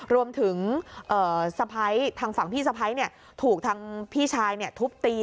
รวมถึงทางฝั่งพี่สะพ้ายเนี่ยถูกทางพี่ชายเนี่ยทุบตี